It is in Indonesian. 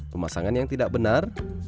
pemasangan yang tidak benar